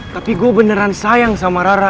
tapi gue beneran sayang sama rara